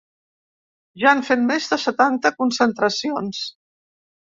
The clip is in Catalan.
Ja han fet més de setanta concentracions.